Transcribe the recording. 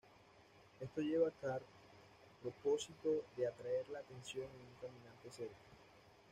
Esto lleva a Carl propósito de atraer la atención de un caminante cerca.